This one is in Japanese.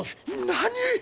何！？